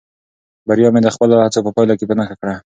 بریا مې د خپلو هڅو په پایله کې په نښه کړه.